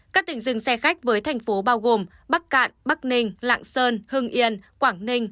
các tỉnh dừng xe khách với thành phố bao gồm bắc cạn bắc ninh lạng sơn hưng yên quảng ninh